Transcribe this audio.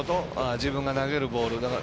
自分が投げるボール。